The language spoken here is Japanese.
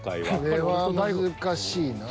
これは難しいな。